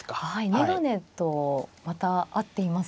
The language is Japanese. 眼鏡とまた合っていますよね。